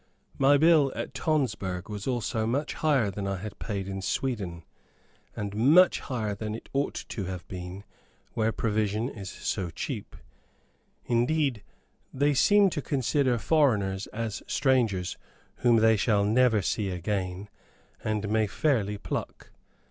My bill at Tonsberg was also much higher than I had paid in Sweden, and much higher than it ought to have been where provision is so cheap. Indeed, they seem to consider foreigners as strangers whom they shall never see again, and may fairly pluck.